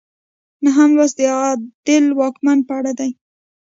نهم لوست د عادل واکمن په اړه دی.